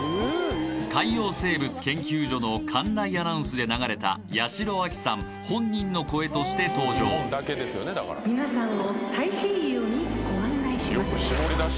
海洋生物研究所の館内アナウンスで流れた八代亜紀さん本人の声として登場皆さんを太平洋にご案内します